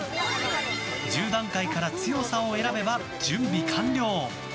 １０段階から強さを選べば準備完了。